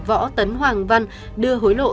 võ tấn hoàng văn đưa hối lộ